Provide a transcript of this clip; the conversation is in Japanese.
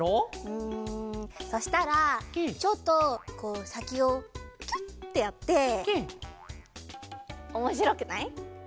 うんそしたらちょっとさきをキュッてやっておもしろくない？